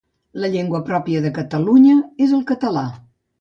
La llengua pròpia de Catalunya és el català